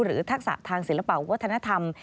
ทักษะทางศิลปะวัฒนธรรม